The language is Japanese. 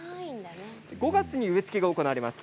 ５月に植え付けが行われます。